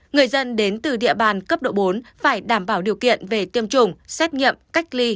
người dân đến từ địa bàn cấp độ bốn phải đảm bảo điều kiện về tiêm chủng xét nghiệm cách ly